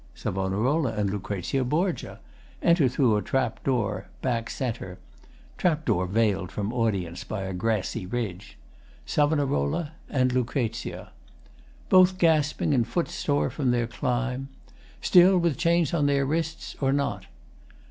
| Savonarola and Lucrezia | Borgia! Enter through a trap door, back c. [trap door veiled from audience by a grassy ridge], SAV. and LUC. Both gasping and footsore from their climb. [Still, with chains on their wrists? or not?